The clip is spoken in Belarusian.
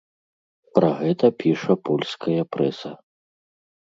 Пра гэта піша польская прэса.